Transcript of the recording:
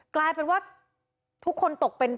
กลายเป็นว่าทุกคนตกเป็น